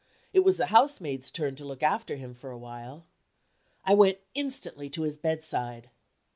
It was the housemaid's turn to look after him for a while. I went instantly to his bedside.